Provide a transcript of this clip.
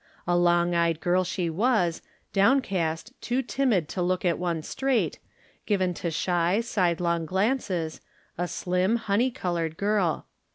A long eyed girl she was, downcast, too timid to look at one straight, given to shy, sidelong glances, a slim, honey colored girl.